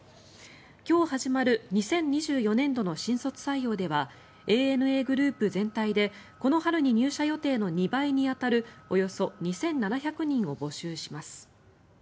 今日始まる２０２４年度の新卒採用ではＡＮＡグループ全体でこの春に入社予定の２倍に当たるおよそ２７００人を募集します。